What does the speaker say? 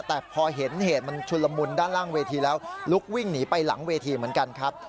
แต่พอเห็นเหตุมันชุนละมุนด้านล่างเวทีแล้วลุกวิ่งหนีไปหลังเวทีเหมือนกันครับ